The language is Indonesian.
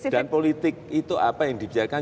dan politik itu apa yang dibicarakan